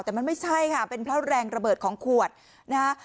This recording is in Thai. แต่มันไม่ใช่ค่ะเป็นเพราะแรงระเบิดของขวดนะฮะ